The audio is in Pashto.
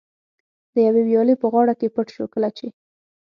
د یوې ویالې په غاړه کې پټ شو، کله چې.